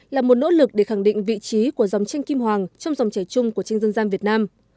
là một nỗ lực để khẳng định vị trí của dòng tranh kim hoàng trong dòng chảy chung của tranh dân gian việt nam